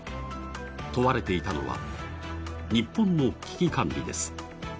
問われていたのは日本の危機管理です。